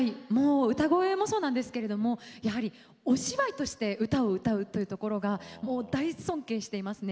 歌う声もそうなんですけどやはりお芝居として歌を歌うというところが大尊敬していますね。